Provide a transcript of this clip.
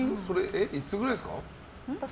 いつくらいですか？